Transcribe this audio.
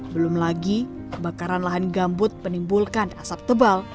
belum lagi bakaran lahan gambut penimbulkan asap tebal